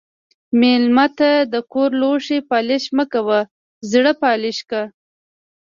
مېلمه ته د کور لوښي پالش مه کوه، زړه پالش کړه.